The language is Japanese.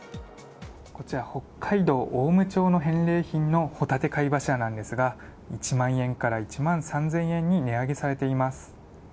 北海道雄武町の返礼品のホタテの貝柱なんですが１万円から１万３０００円に値上げされています。